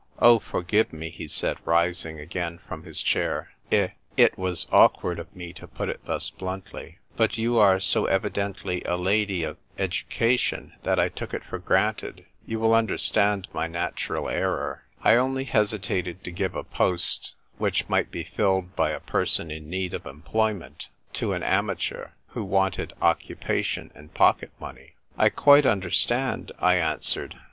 " Oh, forgive me," he said, rising again from his chair. " I — it was awkward of me to put it thus bluntly. But you are so evidently a lady of education that I took it for granted — you will understand my natural error, I only hesitated to give a post which might be filled by a person in need of employment to an amateur who wanted occupation and pocket money." A SAIL ON THE HORIZON. 12$ "I quite understand," I answered.